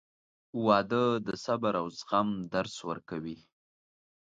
• واده د صبر او زغم درس ورکوي.